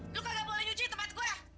lo kagak boleh nyuci tempat gue